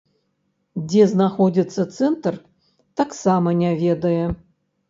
Дзе знаходзіцца цэнтр, таксама не ведае.